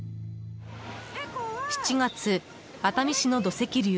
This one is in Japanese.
７月、熱海市の土石流。